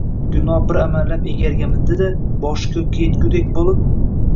Gulnor bir amallab egarga mindi-da, boshi koʼkka yetgudek boʼlib: